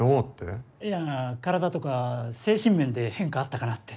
いや体とか精神面で変化あったかなって。